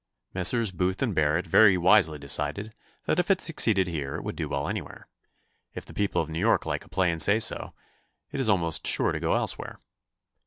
Messrs. Booth and Barrett very wisely decided that if it succeeded here it would do well anywhere. If the people of New York like a play and say so, it is almost sure to go elsewhere.